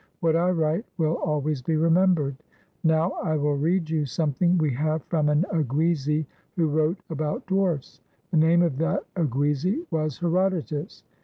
What I write will al ways be remembered. Now I will read you something we have from an Oguizi who wrote about Dwarfs. The name of that Oguizi was Herodotus."